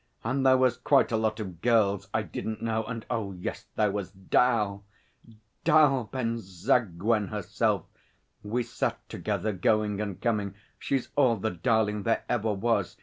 And there was quite a lot of girls I didn't know, and oh, yes there was 'Dal! 'Dal Benzaguen herself! We sat together, going and coming. She's all the darling there ever was.